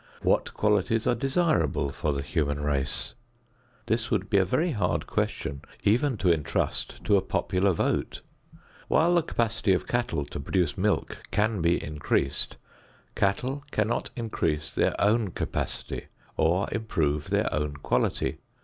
What qualities are desirable for the human race? This would be a very hard question even to entrust to a popular vote. While the capacity of cattle to produce milk can be increased, cattle cannot increase their own capacity or improve their own quality.